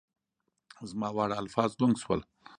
زما واړه الفاظ ګونګ شول